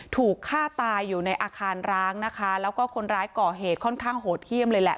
ถูกฆ่าตายอยู่ในอาคารร้างนะคะแล้วก็คนร้ายก่อเหตุค่อนข้างโหดเยี่ยมเลยแหละ